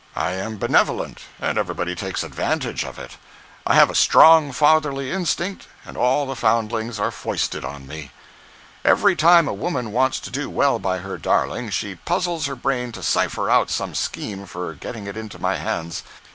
I am benevolent, and everybody takes advantage of it. I have a strong fatherly instinct and all the foundlings are foisted on me. "Every time a woman wants to do well by her darling, she puzzles her brain to cipher out some scheme for getting it into my hands.